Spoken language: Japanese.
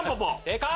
正解！